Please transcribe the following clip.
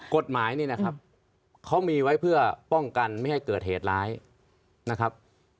กฎหมายนี่นะครับเขามีไว้เพื่อป้องกันไม่ให้เกิดเหตุร้ายนะครับ